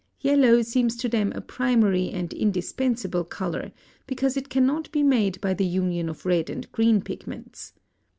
Yellow seems to them a primary and indispensable color, because it cannot be made by the union of red and green pigments.